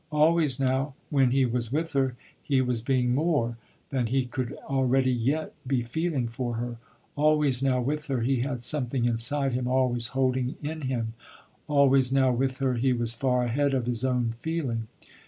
Always now when he was with her, he was being more, than he could already yet, be feeling for her. Always now, with her, he had something inside him always holding in him, always now, with her, he was far ahead of his own feeling.